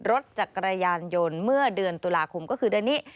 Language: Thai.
รถจักรยานยนต์เมื่อเดือนตุลาคมก็คือเดือนนี้